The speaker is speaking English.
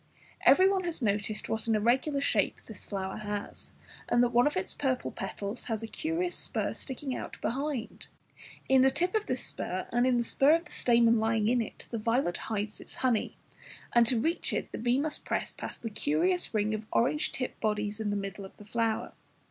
Everyone has noticed what an irregular shape this flower has, and that one of its purple petals has a curious spur sticking out behind. In the tip of this spur and in the spur of the stamen lying in it the violet hides its honey, and to reach it the bee must press past the curious ring of orange tipped bodies in the middle of the flower.